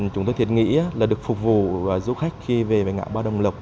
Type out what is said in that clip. chúng tôi thiệt nghĩ là được phục vụ du khách khi về với ngã ba đồng lộc